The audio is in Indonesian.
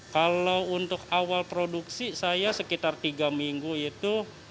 kalau untuk awal produksi saya sekitar tiga minggu itu